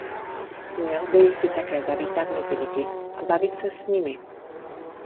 Měl by jsi také zavítat mezi lidi a bavit se s nimi.